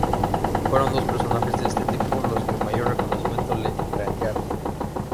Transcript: Fueron los personajes de este tipo los que mayor reconocimiento le granjearon.